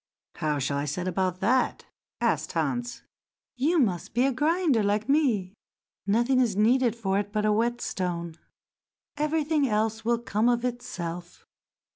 "How shall I set about that?" asked Hans. "You must be a grinder like me—nothing is needed for it but a whetstone; everything else will come of itself.